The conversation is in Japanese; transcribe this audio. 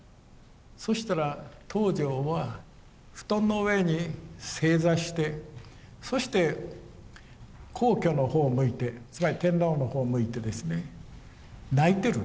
そしたら東條は布団の上に正座してそして皇居の方を向いてつまり天皇の方を向いてですね泣いてる。